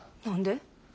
何で？